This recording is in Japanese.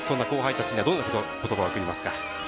後輩たちにどんな言葉を送りますか？